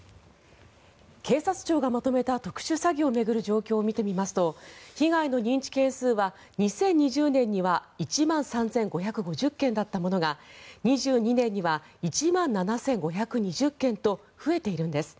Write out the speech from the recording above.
警察庁がまとめた特殊詐欺を巡る状況を見てみますと被害の認知件数は２０２０年には１万３５５０件だったものが２２年には１万７５２０件と増えているんです。